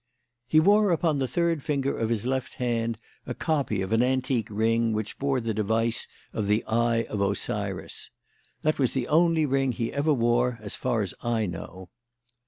"He wore upon the third finger of his left hand a copy of an antique ring which bore the device of the Eye of Osiris. That was the only ring he ever wore as far as I know."